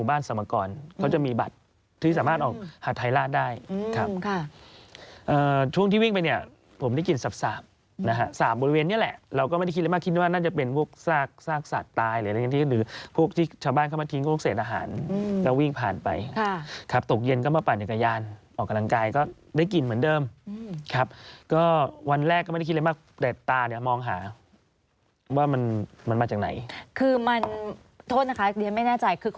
บ้านสมกรเขาจะมีบัตรที่สามารถออกหาท้ายราชได้ครับค่ะเอ่อช่วงที่วิ่งไปเนี้ยผมได้กลิ่นสาปสาปนะฮะสาปบริเวณเนี้ยแหละเราก็ไม่ได้คิดอะไรมากคิดว่าน่าจะเป็นพวกซากซากสัตว์ตายอะไรอย่างงี้หรือพวกที่ชาวบ้านเข้ามาทิ้งพวกเสร็จอาหารอืมก็วิ่งผ่านไปค่ะครับตกเย็นก็มาปั่นในกายยานออกกำลังกายก็ได้ก